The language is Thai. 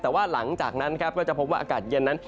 แต่ว่าหลังจากนั้นครับก็จะพบว่าอากาศเย็นนั้น